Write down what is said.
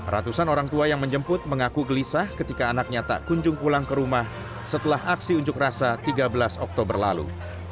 ratusan orang tua yang menjemput mengaku gelisah ketika anaknya tak kunjung pulang ke rumah setelah aksi unjuk rasa tiga belas oktober lalu